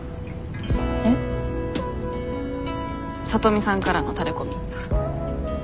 聡美さんからのタレコミ。